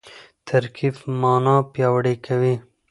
ترکیب مانا پیاوړې کوي.